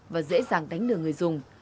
và dễ dàng đánh đường người dùng